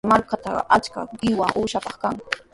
Kay markatrawqa achka qiwami uushapaq kan.